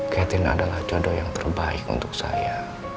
katin adalah jodoh yang terbaik untuk saya